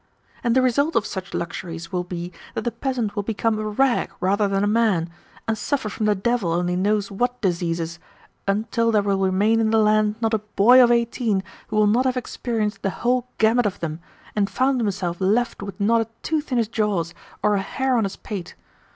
And the result of such luxuries will be that the peasant will become a rag rather than a man, and suffer from the devil only knows what diseases, until there will remain in the land not a boy of eighteen who will not have experienced the whole gamut of them, and found himself left with not a tooth in his jaws or a hair on his pate.